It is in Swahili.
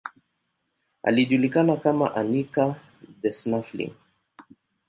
Alijulikana kama Anica the Snuffling.